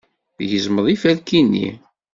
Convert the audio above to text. Tgezmeḍ iferki-nni?